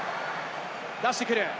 出してくる。